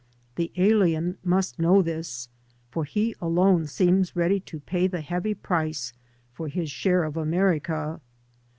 The alien must know this, for he alone seems ready to pay the heavy price for his share of America.